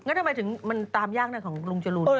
แล้วทำไมถึงมันตามยากนะของลุงจรูน